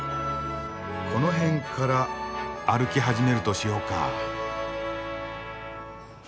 この辺から歩き始めるとしようか。